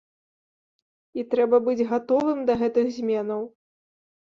І трэба быць гатовым да гэтых зменаў.